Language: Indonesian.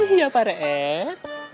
iya pak reket